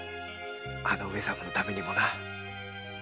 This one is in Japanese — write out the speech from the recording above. あの上様のためにもな。